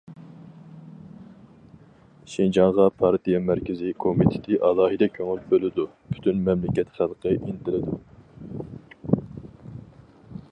شىنجاڭغا پارتىيە مەركىزىي كومىتېتى ئالاھىدە كۆڭۈل بۆلىدۇ، پۈتۈن مەملىكەت خەلقى ئىنتىلىدۇ.